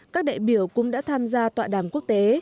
các đại biểu cũng đã tham gia tọa đàm quốc tế